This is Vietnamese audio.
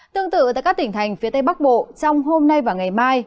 tương tự tại các tỉnh thành phía tây bắc bộ trong hôm nay và ngày mai